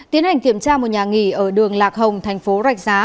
tiến hành kiểm tra một nhà nghỉ ở đường lạc hồng tp rạch giá